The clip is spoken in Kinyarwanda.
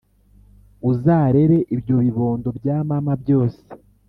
uzarere ibyo bibondo bya mama byose